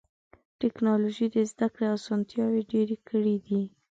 ټکنالوجي د زدهکړې اسانتیا ډېره کړې ده.